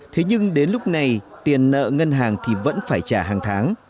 thế nhưng đến lúc này tiền nợ ngân hàng thì vẫn phải trả hàng tháng